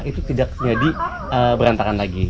itu tidak jadi berantakan lagi